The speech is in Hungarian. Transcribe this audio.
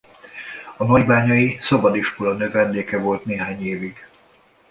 A nagybányai szabadiskola növendéke volt néhány évig.